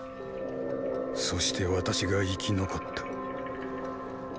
そして私が生き残った。